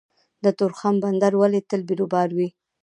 د تورخم بندر ولې تل بیروبار وي؟